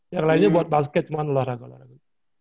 yang lainnya buat basket semuanya olahraga olahraga